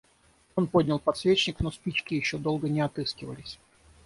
Он поднял подсвечник, но спички еще долго не отыскивались.